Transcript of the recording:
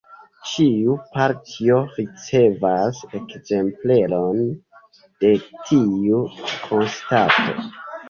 Ĉiu partio ricevas ekzempleron de tiu konstato.